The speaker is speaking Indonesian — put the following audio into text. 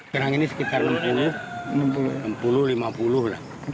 kerang ini sekitar enam puluh lima puluh lah